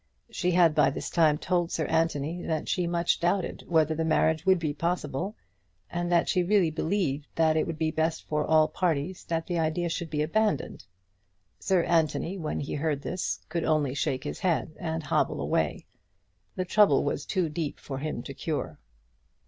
She had by this time told Sir Anthony that she much doubted whether the marriage would be possible, and that she really believed that it would be best for all parties that the idea should be abandoned. Sir Anthony, when he heard this, could only shake his head and hobble away. The trouble was too deep for him to cure.